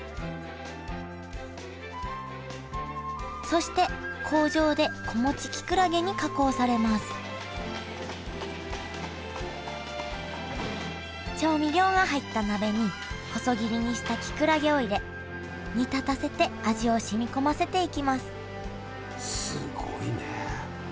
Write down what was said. そして工場で子持ちきくらげに加工されます調味料が入った鍋に細切りにしたきくらげを入れ煮立たせて味をしみこませていきますすごいねえ。